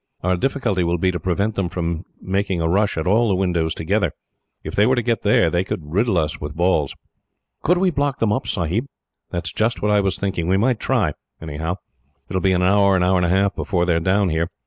Our difficulty will be to prevent them from making a rush at all the windows together. If they were to get there, they could riddle us with balls." "Could we block them up, Sahib?" "That is just what I was thinking," Dick replied. "We might try, anyhow. It will be an hour and a half before they are down here.